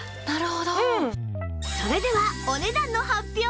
それではお値段の発表！